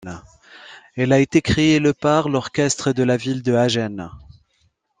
Elle a été créée le par l'orchestre de la ville de Hagen.